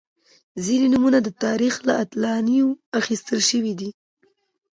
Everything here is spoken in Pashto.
• ځینې نومونه د تاریخ له اتلانو اخیستل شوي دي.